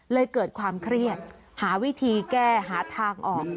เกิดความเครียดหาวิธีแก้หาทางออก